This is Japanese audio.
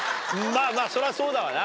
まぁそりゃそうだわな。